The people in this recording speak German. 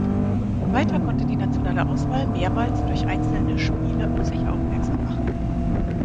Weiter konnte die nationale Auswahl mehrmals durch einzelne Spiele auf sich aufmerksam machen.